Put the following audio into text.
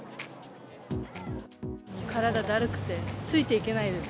体だるくて、ついていけないです。